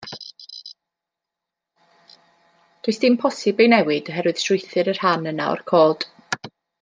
Does dim posib ei newid, oherwydd strwythur y rhan yna o'r cod.